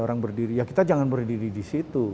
orang berdiri ya kita jangan berdiri di situ